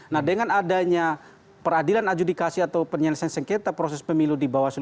nah dengan adanya peradilan adjudikasi atau penyelesaian sengketa proses pemilu di bawah